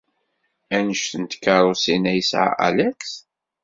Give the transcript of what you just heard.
Anect n tkeṛṛusin ay yesɛa Alex?